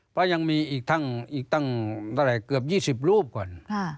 เพราะยังมีอีกตั้งเกือบ๒๐รูปก่อน